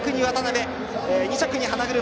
２着に花車。